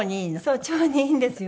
そう腸にいいんですよ。